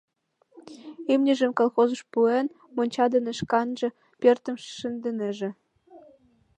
Имньыжым колхозыш пуэн, монча дене шканже пӧртым шындынеже.